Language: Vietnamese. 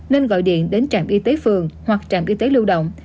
nên gọi điện đến trạm y tế phường hoặc trạm y tế lưu động